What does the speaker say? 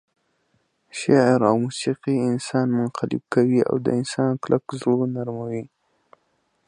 شعر او موسيقي انسان منقلب کوي او د انسان کلک زړه نرموي.